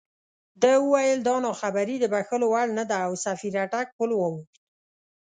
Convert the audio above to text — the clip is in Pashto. ده وویل دا ناخبري د بښلو وړ نه ده او سفیر اټک پُل واوښت.